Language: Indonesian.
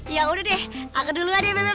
ya udah deh aku dulu aja deh